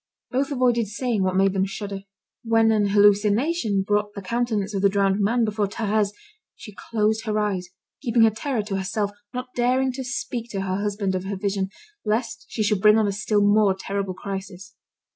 Both avoided saying what made them shudder. When an hallucination brought the countenance of the drowned man before Thérèse, she closed her eyes, keeping her terror to herself, not daring to speak to her husband of her vision, lest she should bring on a still more terrible crisis.